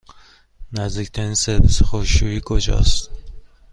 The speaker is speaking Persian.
نزدیکترین سرویس خشکشویی کجاست؟